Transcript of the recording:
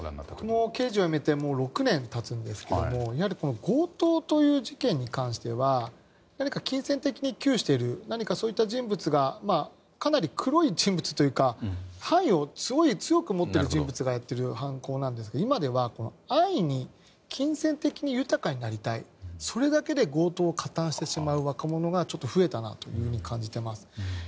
僕も掲示を辞めてもう６年が経つんですけどやはり強盗という事件に関しては何か金銭的に窮している何かそういった人物がかなり黒い人物というか犯意を強く持っている人物がやっている犯行なんですが今では安易に金銭的に豊かになりたいそれだけで強盗に加担してしまう若者が増えたなというのを感じています。